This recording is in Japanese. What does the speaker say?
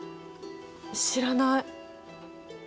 知らない。